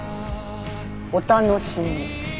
お楽しみ。